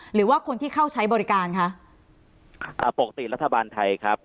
หรือว่าคนที่เข้าใช้บริการคะอ่าปกติรัฐบาลไทยครับ